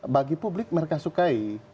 bagi publik mereka sukai